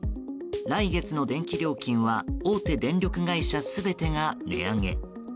来月の電気料金は大手電力会社全てが値上げ。